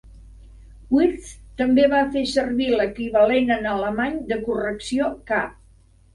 Wirtz també va fer servir l'equivalent en alemany de "correcció K".